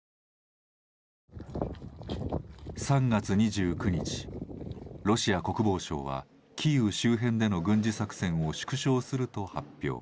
３月２９日、ロシア国防省はキーウ周辺での軍事作戦を縮小すると発表。